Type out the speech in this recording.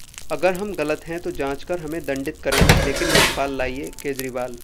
अगर हम गलत हैं तो जांच कर हमें दंडित करें लेकिन लोकपाल लाइये: केजरीवाल